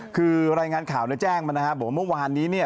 คือรายงานข่าวแจ้งมานะครับบอกว่าเมื่อวานนี้เนี่ย